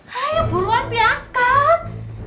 hanya buruan biangkat